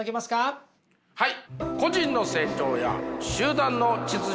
はい。